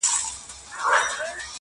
• يو نه دی چي و تاته په سرو سترگو ژاړي.